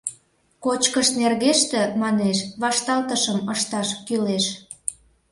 Кочкыш нергеште, манеш, вашталтышым ышташ кӱлеш.